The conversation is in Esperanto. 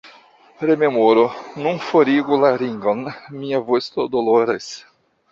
Remoro: "Nun forigu la ringon. Mia vosto doloras!"